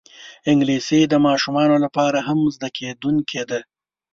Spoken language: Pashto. انګلیسي د ماشومانو لپاره هم زده کېدونکی ده